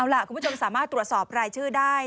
เอาล่ะคุณผู้ชมสามารถตรวจสอบรายชื่อได้